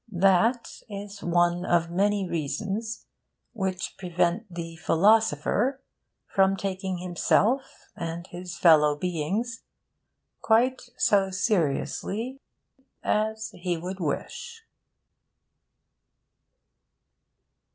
That is one of many reasons which prevent the philosopher from taking himself and his fellow beings quite so seriously as he would wish.